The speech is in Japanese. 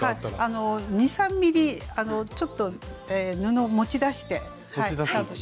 ２３ｍｍちょっと布を持ち出してスタートします。